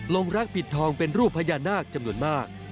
ลงรักปิดทองเป็นรูปพญานาคจำนวนมาก